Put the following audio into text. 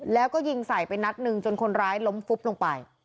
แล้วก็ยิงใส่ไปนัดหนึ่งจนคนร้ายล้มฟุบลงไป